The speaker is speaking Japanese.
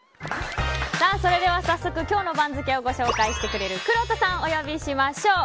早速、今日の番付をご紹介してくれるくろうとさんをお呼びしましょう。